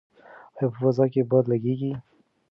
ایا په فضا کې باد لګیږي؟